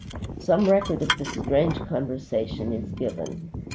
_" Some record of this strange conversation is given.